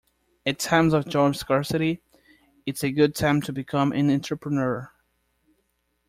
At times of job scarcity, it's a good time to become an entrepreneur..